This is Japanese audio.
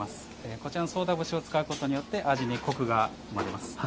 こちらのそうだ節を使うことによって味にコクが生まれます。